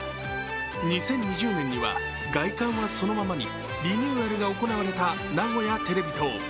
２０２０年には外観はそのままにリニューアルが行われた名古屋テレビ塔。